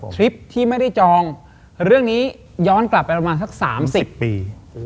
คลิปที่ไม่ได้จองเรื่องนี้ย้อนกลับไปประมาณสัก๓๐ปี